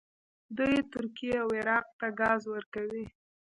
دوی ترکیې او عراق ته ګاز ورکوي.